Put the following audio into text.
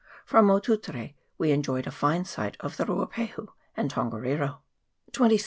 From Motutere we enjoyed a fine sight of the Ruapahu and Tongariro. 26th.